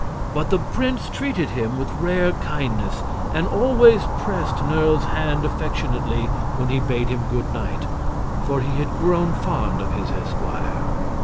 But the prince treated him with rare kindness and always pressed Nerle's hand affectionately when he bade him good night, for he had grown fond of his esquire.